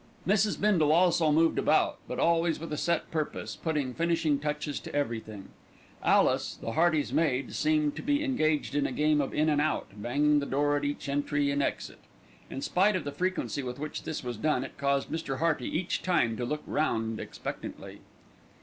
Mrs. Bindle also moved about, but always with a set purpose, putting finishing touches to everything. Alice, the Heartys' maid, seemed to be engaged in a game of in and out, banging the door at each entry and exit. In spite of the frequency with which this was done, it caused Mr. Hearty each time to look round expectantly.